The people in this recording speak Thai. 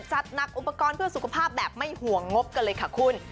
จัดหนักอุปกรณ์เพื่อสุขภาพแบบไม่ห่วงงบกันเลยค่ะคุณ